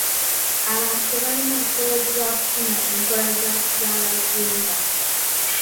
Abantu tebalina busobozi bwa kufuna enkola za kizaalaggumba.